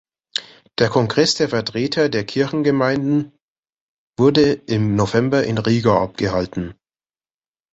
Der Kongress der Vertreter der Kirchengemeinden wurde im November in Riga abgehalten.